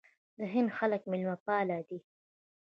د هند خلک میلمه پال دي.